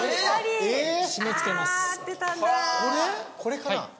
これかな？